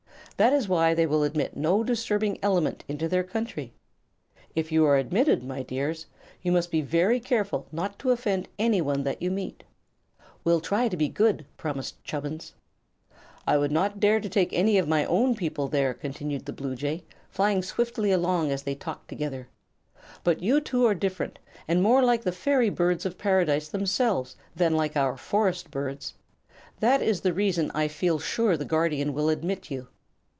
That is why they will admit no disturbing element into their country. If you are admitted, my dears, you must be very careful not to offend any one that you meet." "We'll try to be good," promised Chubbins. "I would not dare to take any of my own people there," continued the bluejay, flying swiftly along as they talked together; "but you two are different, and more like the fairy Birds of Paradise themselves than like our forest birds. That is the reason I feel sure the Guardian will admit you."